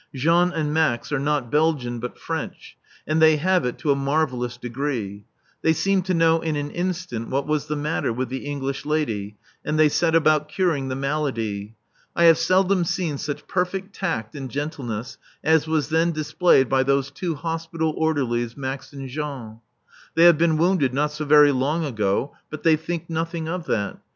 Jean and Max are not Belgian but French, and they have it to a marvellous degree. They seemed to know in an instant what was the matter with the English lady; and they set about curing the malady. I have seldom seen such perfect tact and gentleness as was then displayed by those two hospital orderlies, Max and Jean. They had been wounded not so very long ago. But they think nothing of that.